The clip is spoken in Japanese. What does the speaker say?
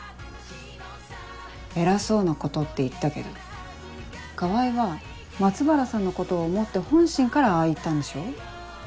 偉そうなことって言ったけど川合は松原さんのことを思って本心からああ言ったんでしょ？